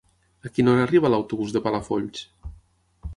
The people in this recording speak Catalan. A quina hora arriba l'autobús de Palafolls?